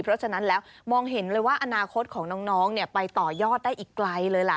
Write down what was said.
เพราะฉะนั้นแล้วมองเห็นเลยว่าอนาคตของน้องไปต่อยอดได้อีกไกลเลยล่ะ